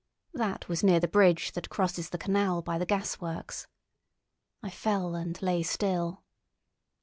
That was near the bridge that crosses the canal by the gasworks. I fell and lay still.